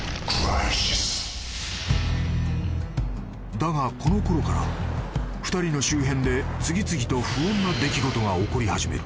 ［だがこのころから２人の周辺で次々と不穏な出来事が起こり始める］